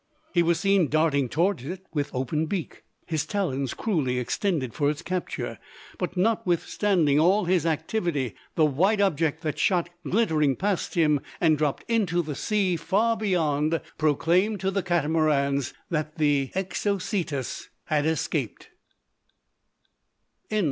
He was seen darting towards it with open beak, his talons cruelly extended for its capture; but, notwithstanding all his activity, the white object that shot glittering past him, and dropped into the sea far beyond, proclaimed to the Catamarans that the Exocetus had escaped.